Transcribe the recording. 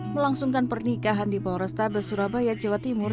melangsungkan pernikahan di pahoresta besurabaya jawa timur